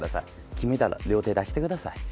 決めたら両手出してください。